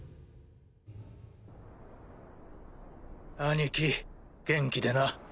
兄貴元気でな。